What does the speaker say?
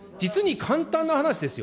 実に簡単な話ですよ。